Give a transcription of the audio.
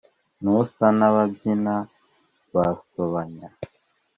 Ntusa na babyina basobanya